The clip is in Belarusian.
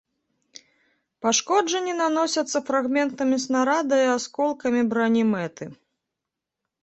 Пашкоджанні наносяцца фрагментамі снарада і асколкамі брані мэты.